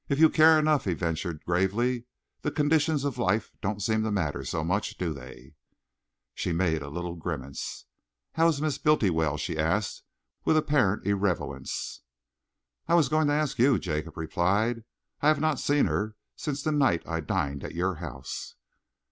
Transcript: "If you care enough," he ventured gravely, "the conditions of life don't seem to matter so much, do they?" She made a little grimace. "How is Miss Bultiwell?" she asked, with apparent irrelevance. "I was going to ask you," Jacob replied. "I have not seen her since the night I dined at your house."